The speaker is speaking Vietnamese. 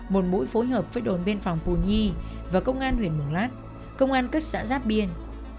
một mũi phối hợp với đồn biên phòng pù nhi và công an huyện mường lát công an các xã giáp biên